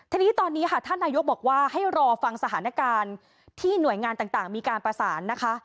ทีนี้ตอนนี้ค่ะท่านนายกบอกว่าให้รอฟังสถานการณ์ที่หน่วยงานต่างมีการประสานนะคะ